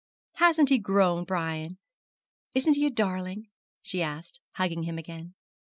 'Hasn't he grown, Brian? and isn't he a darling?' she asked, hugging him again.